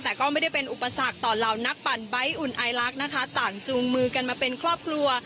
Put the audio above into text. แต่ก็ไม่ได้เป็นอุปสรรคต่อเหล่านักปั่นใบ้อุ่นไอลักษณ์นะคะต่างจูงมือกันมาเป็นครอบครัว